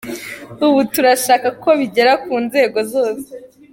Ubu turashaka ko bigera ku nzego zose.